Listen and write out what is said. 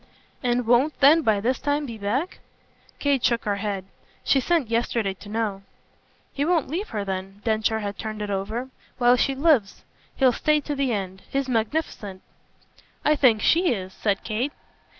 "And won't then by this time be back?" Kate shook her head. "She sent yesterday to know." "He won't leave her then" Densher had turned it over "while she lives. He'll stay to the end. He's magnificent." "I think SHE is," said Kate.